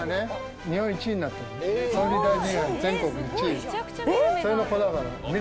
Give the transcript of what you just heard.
総理大臣杯全国１位それの子だから。